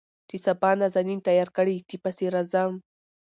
چې سبا نازنين تيار کړي چې پسې راځم.